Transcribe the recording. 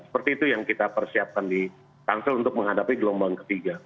seperti itu yang kita persiapkan di tangsel untuk menghadapi gelombang ketiga